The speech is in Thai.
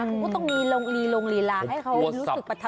ก็ต้องมีโรงรีรีลาให้เขารู้สึกประทับใจ